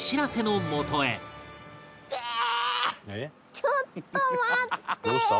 ちょっと待って！